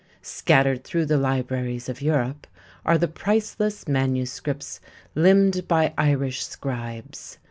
Scattered through the libraries of Europe are the priceless manuscripts limned by Irish scribes.